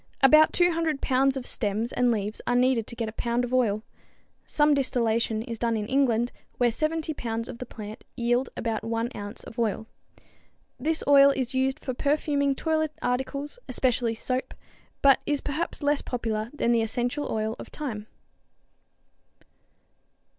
About 200 pounds of stems and leaves are needed to get a pound of oil. Some distillation is done in England, where 70 pounds of the plant yield about one ounce of oil. This oil is used for perfuming toilet articles, especially soap, but is perhaps less popular than the essential oil of thyme.